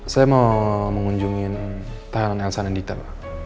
saya mau mengunjungi thailand elsa anindita pak